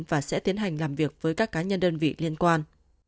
và sẽ tiến hành làm việc với các cá nhân đơn vị liên quan